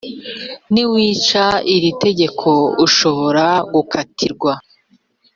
niwica iri tegeko ushobora gukatirwa